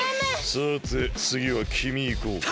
さてつぎはきみいこうか。